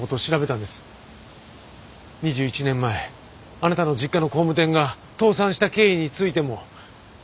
２１年前あなたの実家の工務店が倒産した経緯についても。